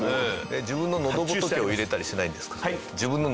自分の喉仏を入れたりしないんですか？